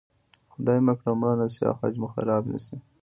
خدای مه کړه مړه نه شي او حج مې خراب شي.